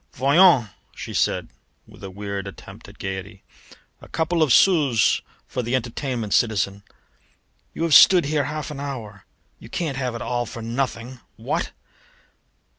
"Voyons," she said with a weird attempt at gaiety, "a couple of sous for the entertainment, citizen! You have stood here half an hour. You can't have it all for nothing, what?"